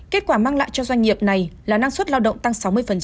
kết quả mang lại cho doanh nghiệp này là năng suất lao động tăng sáu mươi